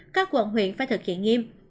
các quận huyện phải thực hiện nghiêm